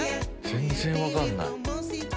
全然分かんない。